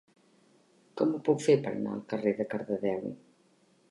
Com ho puc fer per anar al carrer de Cardedeu?